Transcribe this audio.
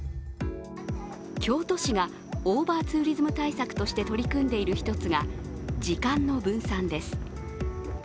京都市がオーバーツーリズム対策として取り組んでいる１つが時間の分散です。